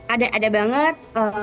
ada ada banget